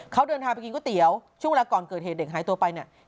เขาเดินทางไปกินก๋วยเตี๋ยวช่วงเวลาก่อนเกิดเหตุเด็กหายตัวไปเนี่ย